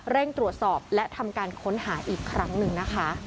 เร่งตรวจสอบและทำการค้นหาอีกครั้งหนึ่งนะคะ